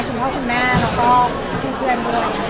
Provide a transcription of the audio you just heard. สำคัญว่าคุณแม่แล้วก็คุณเพื่อนด้วย